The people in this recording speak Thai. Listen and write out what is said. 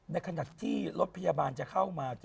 ในขณะที่รถพยาบาลจะเข้ามา